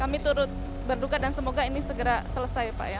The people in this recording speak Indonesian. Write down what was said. kami turut berduka dan semoga ini segera selesai pak ya